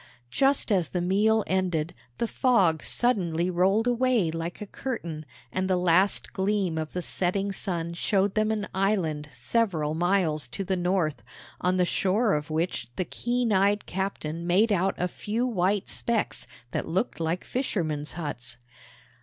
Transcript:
Just as the meal ended, the fog suddenly rolled away like a curtain, and the last gleam of the setting sun showed them an island several miles to the north, on the shore of which the keen eyed captain made out a few white specks that looked like fishermen's huts.